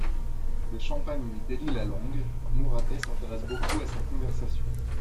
Le Champagne lui délie la langue ; Mouratet s'intéresse beaucoup à sa conversation.